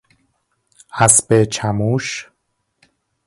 اسب چموش